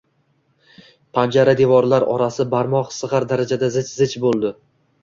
Panjara-devorlar orasi barmoq sig‘ar darajada zich-zich bo‘ldi.